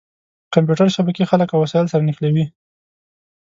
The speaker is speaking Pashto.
کمپیوټر شبکې خلک او وسایل سره نښلوي.